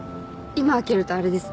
今開けるとあれです。